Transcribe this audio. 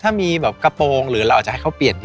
แต่แม่ผมมาเลย